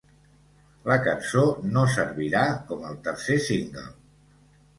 La cançó no servirà com el tercer single.